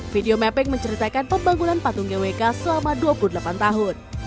video mapping menceritakan pembangunan patung gwk selama dua puluh delapan tahun